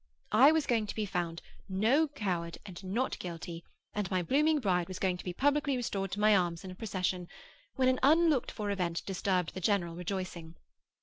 I was going to be found 'No coward and not guilty,' and my blooming bride was going to be publicly restored to my arms in a procession, when an unlooked for event disturbed the general rejoicing.